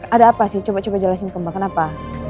ada apa sih coba coba jelasin ke mbak kenapa